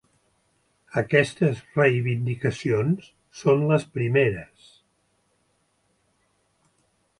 Aquestes reivindicacions són les primeres.